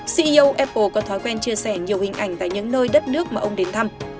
ceo apple có thói quen chia sẻ nhiều hình ảnh tại những nơi đất nước mà ông đến thăm